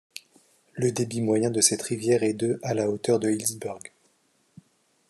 Le débit moyen de cette rivière est de à la hauteur de Healdsburg.